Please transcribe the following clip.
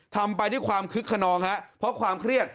ทำไปด้วยความคึกขนองฮะเพราะความเครียด